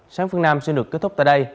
sáng phương nam sẽ được kết thúc tại đây